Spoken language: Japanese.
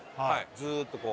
ずーっとこう。